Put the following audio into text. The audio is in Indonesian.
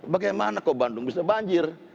bagaimana kok bandung bisa banjir